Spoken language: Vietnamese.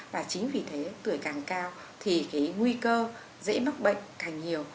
và chính vì thế tuổi càng cao thì cái nguy cơ dễ mắc bệnh càng nhiều